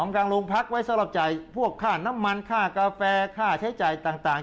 กลางโรงพักไว้สร้างรับจ่ายพวกข้าน้ำมันข้ากาแฟข้าใช้จ่ายต่างต่าง